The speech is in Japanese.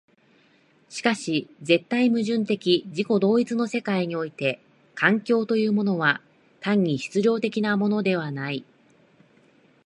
しかし絶対矛盾的自己同一の世界において環境というのは単に質料的なものではない。